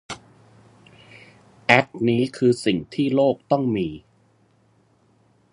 แอคนี้คือสิ่งที่โลกต้องมี